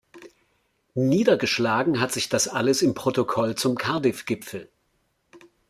Niedergeschlagen hat sich das alles im Protokoll zum Cardiff-Gipfel.